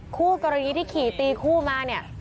คู่กรณีที่ขี่ตีคู่มาเนี่ย